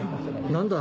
・・何だ？